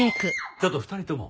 ちょっと２人とも。